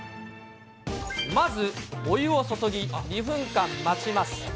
まずお湯を注ぎ２分間待ちます。